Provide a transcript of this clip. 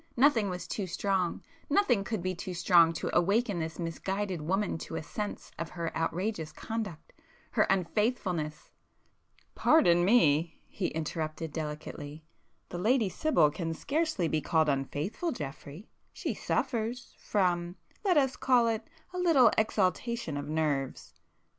Nothing was too strong,—nothing could be too strong to awaken this misguided woman to a sense of her outrageous conduct,—her unfaithfulness——" "Pardon me!" he interrupted delicately—"The Lady Sibyl can scarcely be called unfaithful, Geoffrey. She suffers,——from——let us call it, a little exaltation of nerves!